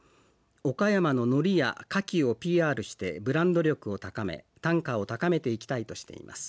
岡山のノリやカキをＰＲしてブランド力を高め単価を高めていきたいとしています。